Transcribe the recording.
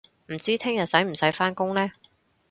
唔知聽日使唔使返工呢